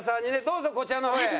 どうぞこちらの方へ。